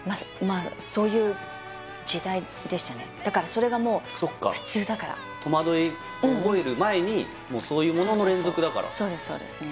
あそういう時代でしたねだからそれがもう普通だからそっか戸惑いを覚える前にもうそういうものの連続だからそうですそうですね